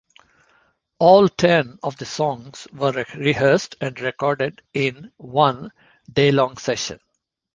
All ten of the songs were rehearsed and recorded in one day-long session.